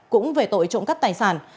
cũng về tội trộm cắp tài sản